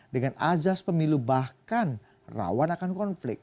dengan azas pemilu bahkan rawan akan konflik